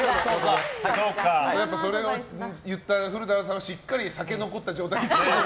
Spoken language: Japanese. それを言った古田新太さんはしっかり酒が残った状態で。